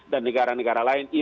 dan negara negara lain